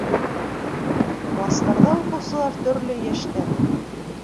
Кластарҙа уҡыусылар төрлө йәштә.